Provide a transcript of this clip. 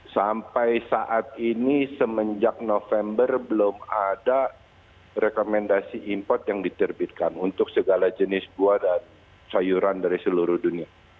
sampai saat ini semenjak november belum ada rekomendasi import yang diterbitkan untuk segala jenis buah dan sayuran dari seluruh dunia